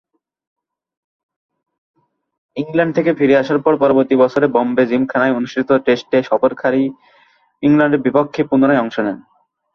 England থেকে ফিরে আসার পর পরবর্তী বছরে বোম্বে জিমখানায় অনুষ্ঠিত টেস্টে সফরকারী ইংল্যান্ডের বিপক্ষে পুনরায় অংশ নেন।